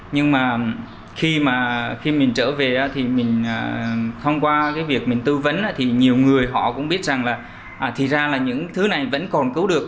ngoài việc mình tư vấn nhiều người cũng biết rằng những thứ này vẫn còn cứu được